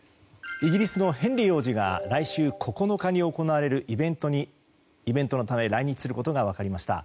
イギリスのヘンリー王子が来週９日に行われるイベントのため来日することが分かりました。